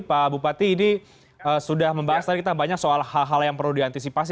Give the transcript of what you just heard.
pak bupati ini sudah membahas tadi kita banyak soal hal hal yang perlu diantisipasi